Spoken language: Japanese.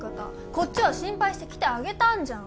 こっちは心配して来てあげたんじゃん！